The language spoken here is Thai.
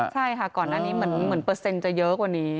ใช่ค่ะก่อนหน้านี้เหมือนเปอร์เซ็นต์จะเยอะกว่านี้